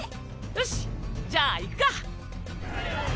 よしじゃあ行くか！